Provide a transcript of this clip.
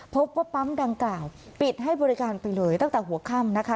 พบว่าปั๊มดังกล่าวปิดให้บริการไปเลยตั้งแต่หัวค่ำนะคะ